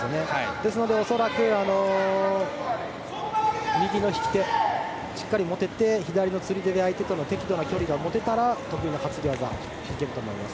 ですので恐らく、右の引き手をしっかり持てて左の釣り手で相手と適度な距離が持てたら得意な担ぎ技ができると思います。